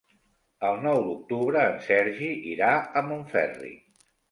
El nou d'octubre en Sergi irà a Montferri.